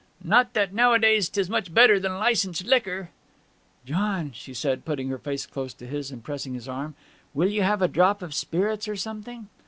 'Not that nowadays 'tis much better than licensed liquor.' 'John,' she said, putting her face close to his and pressing his arm. 'Will you have a drop of spirits or something?'